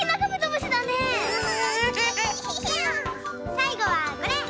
さいごはこれ。